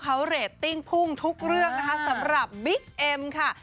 เขาเรตติ้งพุ่งทุกเรื่องนะคะสำหรับบิ๊กเอ็มค่ะ